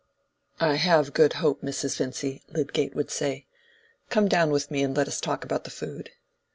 "I have good hope, Mrs. Vincy," Lydgate would say. "Come down with me and let us talk about the food."